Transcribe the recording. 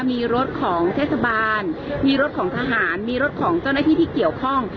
มีรถของเทศบาลมีรถของทหารมีรถของเจ้าหน้าที่ที่เกี่ยวข้อง